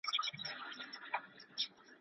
هیوادونه خپل راتلونکی جوړوي.